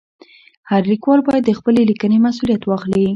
هر لیکوال باید د خپلې لیکنې مسؤلیت واخلي.